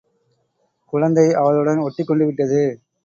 குழந்தை அவளுடன் ஒட்டிக் கொண்டுவிட்டது!